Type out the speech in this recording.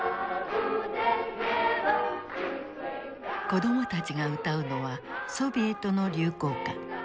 子供たちが歌うのはソビエトの流行歌。